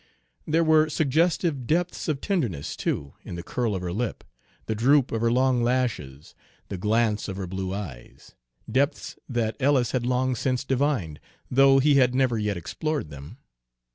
There were suggestive depths of tenderness, too, in the curl of her lip, the droop of her long lashes, the glance of her blue eyes, depths that Ellis had long since divined, though he had never yet explored them.